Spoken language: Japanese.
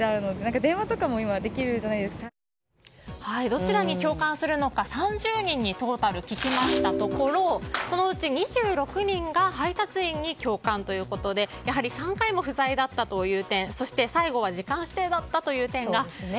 どちらに共感するのかトータル３０人に聞きましたところそのうち２６人が配達員に共感ということでやはり３回も不在だったという点そして、最後は時間指定だったという点が。